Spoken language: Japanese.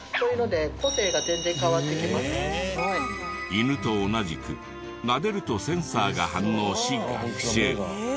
犬と同じくなでるとセンサーが反応し学習。